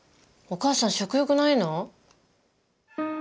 お母さん食欲ないの？